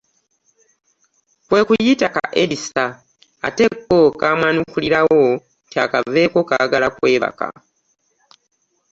Kwe kuyita ka Edith ate ko kamwanukulirawo nti akaveeko kaagala kwebaka.